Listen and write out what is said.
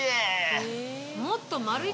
もっと。